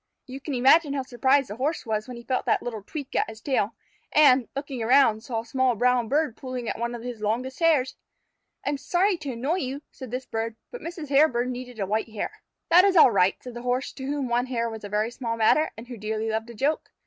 You can imagine how surprised the Horse was when he felt that little tweak at his tail, and, looking around, saw a small brown bird pulling at one of his longest hairs. "I am sorry to annoy you," said this bird, "but Mrs. Hairbird needed a white hair." "That is all right," said the Horse, to whom one hair was a very small matter, and who dearly loved a joke.